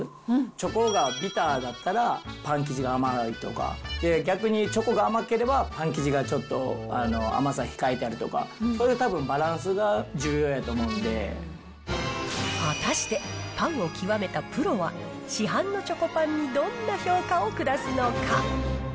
チョコがビターだったらパン生地は甘いとか、逆にチョコが甘ければ、パン生地がちょっと甘さ控えてあるとか、そういうたぶん、バラン果たしてパンを極めたプロは、市販のチョコパンにどんな評価を下すのか。